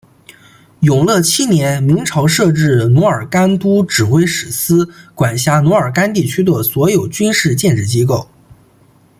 永乐七年明朝设置奴儿干都指挥使司管辖奴儿干地区的所有军事建制机构。